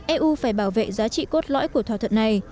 eu phải bảo vệ giá trị cốt lõi của thỏa thuận này